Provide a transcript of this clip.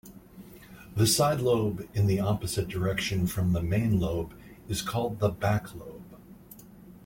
The sidelobe in the opposite direction from the main lobe is called the "backlobe".